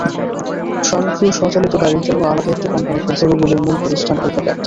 স্বয়ংক্রিয় স্বচালিত গাড়ির জন্য আলাদা একটি কোম্পানি খুলছে গুগলের মূল প্রতিষ্ঠান অ্যালফাবেট।